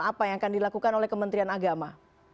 apa yang akan dilakukan oleh kementerian agama